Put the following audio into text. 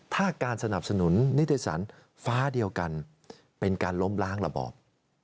ถ้าการสนับสนุนนิตยสารฟ้าเดียวกันเป็นการล้มล้างระบอบ